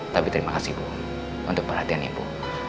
tapi terima kasih bu untuk perhatiannya bu